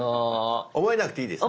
覚えなくていいですか？